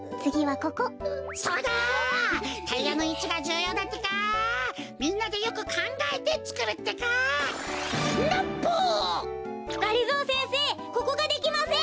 ここができません！